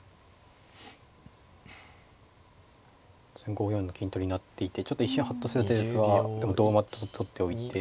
５四の金取りになっていてちょっと一瞬ハッとする手ですがでも同馬と取っておいて。